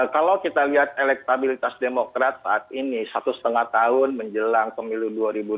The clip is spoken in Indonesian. kalau kita lihat elektabilitas demokrat saat ini satu setengah tahun menjelang pemilu dua ribu dua puluh